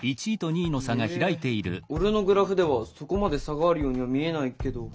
え俺のグラフではそこまで差があるようには見えないけど。